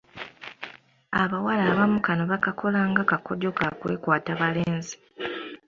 Abawala abamu kano bakakola nga kakodyo kakwekwata balenzi.